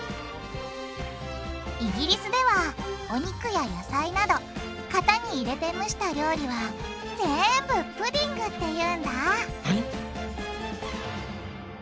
イギリスではお肉や野菜など型に入れて蒸した料理はぜんぶ「プディング」って言うんだ！